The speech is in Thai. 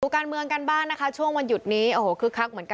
การเมืองกันบ้างนะคะช่วงวันหยุดนี้โอ้โหคึกคักเหมือนกัน